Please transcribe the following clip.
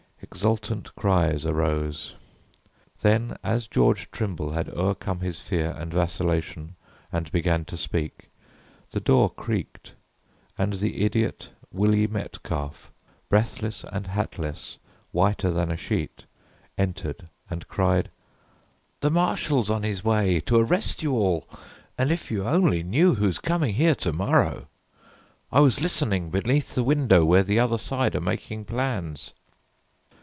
Exultant cries arose. Then, as George Trimble had o'ercome his fear And vacillation and begun to speak, The door creaked and the idiot, Willie Metcalf, Breathless and hatless, whiter than a sheet, Entered and cried: "The marshal's on his way To arrest you all. And if you only knew Who's coming here to morrow; I was listening Beneath the window where the other side Are making plans."